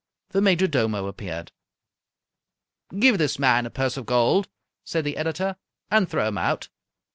The major domo appeared. "Give this man a purse of gold," said the editor, "and throw him out."